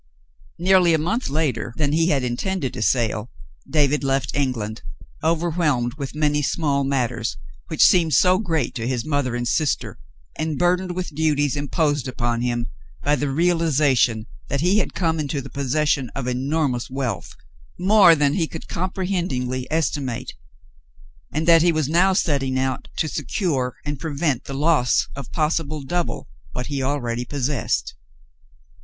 Nearly a month later than he had intended to sail, David left England, overwhelmed with many small matters which seemed so great to his mother and sister, and bur dened with duties imposed upon him by the realization that he had come into the possession of enormous wealth, more than he could comprehendingly estimate; and that he was now setting out to secure and prevent the loss of possibly double what he already possessed.